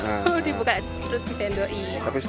kalau dibelah terus disendokin